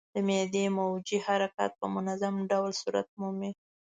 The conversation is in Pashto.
د معدې موجې حرکات په منظم ډول صورت مومي.